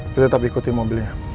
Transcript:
tetap ikuti mobilnya